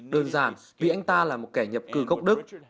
đơn giản vì anh ta là một kẻ nhập cư gốc đức